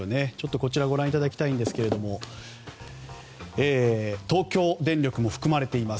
こちらをご覧いただきたいんですが東京電力も含まれています。